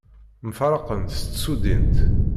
Mfaraqen s tsudint.